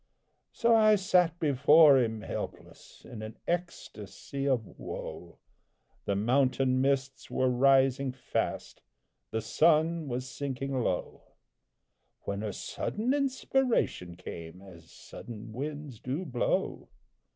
So I sat before him helpless, In an ecstasy of woe The mountain mists were rising fast, The sun was sinking slow When a sudden inspiration came, As sudden winds do blow.